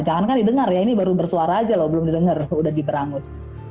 jangan kan didengar ya ini baru bersuara aja loh belum didengar udah diberangut